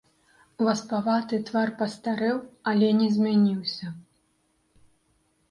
Васпаваты твар пастарэў, але не змяніўся.